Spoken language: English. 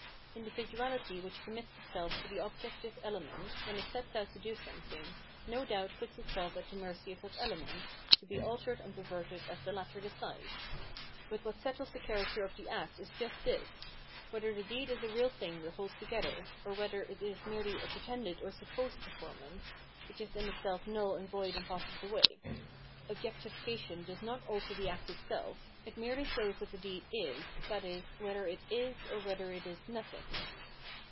Individuahty which commits itself to the objective element, when it sets out to do something, no doubt puts itself at the mercy of that element, to be altered and perverted as the latter decides. But what settles the character of the act is just this, — whether the deed is a real thing that holds together, or whether it is merely a pretended or "supposed" performance, which is in itself null and void and passes away. Ob jectification does not alter the act itseK, it merely shows what the deed is, i.e. whether it is or whether it is nothing.